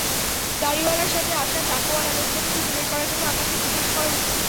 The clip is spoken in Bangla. দাঁড়িওয়ালার সাথে আসা টাকওয়ালা লোকটাকে, খুঁজে বের করার জন্যে আকাশকে জিজ্ঞেস করা উচিত।